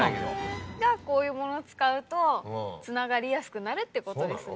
じゃあこういうもの使うとつながりやすくなるってことですね。